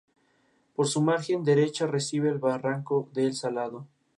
El único club donde jugó fue el Club Deportivo Guadalajara.